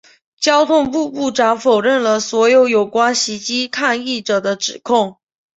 交通部部长否认了所有有关袭击抗议者的指控。